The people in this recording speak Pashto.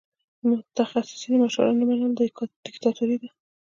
د متخصصینو مشوره نه منل دیکتاتوري ده.